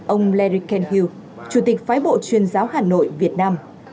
ông larry kenhill chủ tịch phái bộ chuyên giáo hà nội việt nam